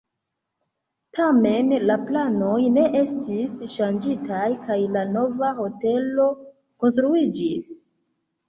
Tamen la planoj ne estis ŝanĝitaj kaj la nova hotelo konstruiĝis.